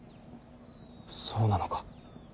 そうなのか。